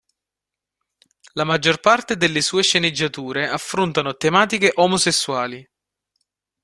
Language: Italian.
La maggior parte delle sue sceneggiature affrontano tematiche omosessuali.